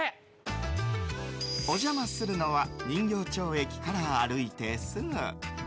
お邪魔するのは人形町駅から歩いてすぐ。